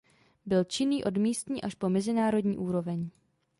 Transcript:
Byl činný od místní po mezinárodní úroveň.